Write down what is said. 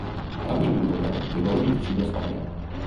Hlavním důvodem by mohl být přínos ohně.